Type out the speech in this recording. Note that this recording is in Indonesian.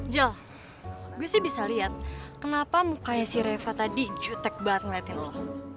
jul gue sih bisa lihat kenapa mukanya si reva tadi jutek banget ngeliatin lo